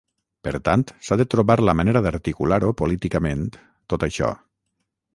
Per tant, s’ha de trobar la manera d’articular-ho políticament, tot això.